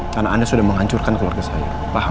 karena anda sudah menghancurkan keluarga saya